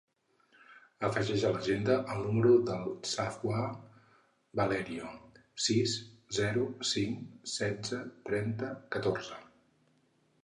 Afegeix a l'agenda el número del Safwan Valerio: sis, zero, cinc, setze, trenta, catorze.